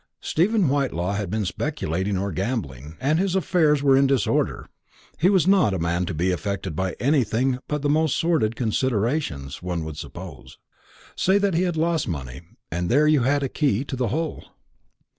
Stephen Whitelaw had been speculating or gambling, and his affairs were in disorder. He was not a man to be affected by anything but the most sordid considerations, one would suppose. Say that he had lost money, and there you had a key to the whole.